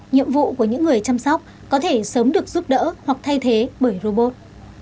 nhiệm vụ của những người chăm sóc có thể sớm được giúp đỡ hoặc thay thế bởi robot